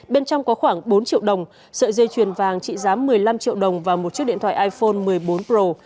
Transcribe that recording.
bên trong có khoảng bốn triệu đồng sợi dây chuyền vàng trị giá một mươi năm triệu đồng và một chiếc điện thoại iphone một mươi bốn pro